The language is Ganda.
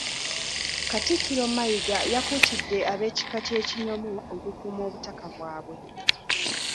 Katikkiro Mayiga yakuutidde ab'ekika ky'Ekinyomo okukuuma obutaka bwabwe.